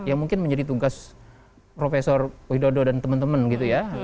yang mungkin menjadi tugas profesor widodo dan teman teman gitu ya